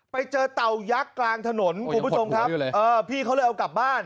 เต่ายักษ์กลางถนนคุณผู้ชมครับพี่เขาเลยเอากลับบ้าน